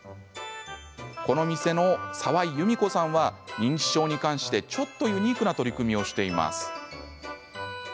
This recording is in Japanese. この店の澤井由美子さんは認知症に関してちょっとユニークな取り組みをしています。